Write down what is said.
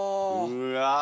うわ！